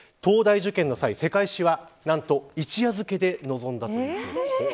東大受験の際、世界史は一夜漬けで臨んだということです。